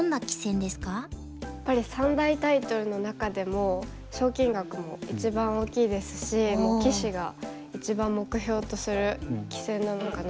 やっぱり三大タイトルの中でも賞金額も一番大きいですし棋士が一番目標とする棋戦なのかなと思います。